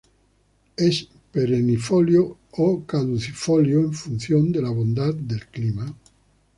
Es perennifolio o caducifolio en función de la bondad del clima.